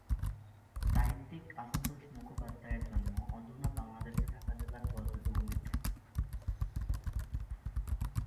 সাহিত্যিক আশুতোষ মুখোপাধ্যায়ের জন্ম অধুনা বাংলাদেশের ঢাকা জেলার বজ্রযোগিনীতে।